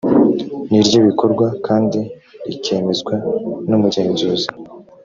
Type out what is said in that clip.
n iry ibikorwa kandi rikemezwa n umugenzuzi